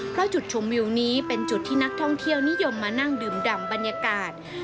เพราะจุดชมวิวนี้เป็นจุดที่นักท่องเที่ยวนิยมมานั่งดื่มดำบรรยากาศ